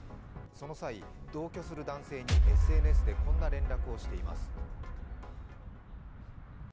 その際、同居する男性にＳＮＳでこんな連絡をしています。